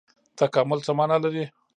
تکامل څه مانا لري؟